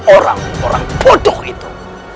orang orang bodoh itu